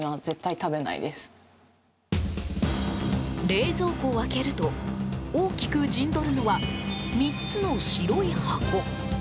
冷蔵庫を開けると大きく陣取るのは３つの白い箱。